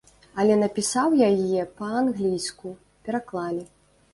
Але напісаў я яе па-англійску, пераклалі.